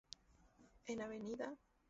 En Av.